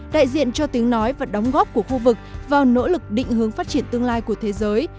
đại diện cho tiếng nói và đóng góp của khu vực vào nỗ lực định hướng phát triển tương lai của thế giới